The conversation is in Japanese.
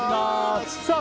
さあ